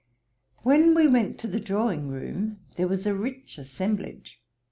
When we went to the drawing room there was a rich assemblage.